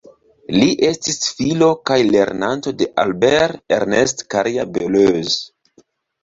Li estis filo kaj lernanto de Albert-Ernest Carrier-Belleuse.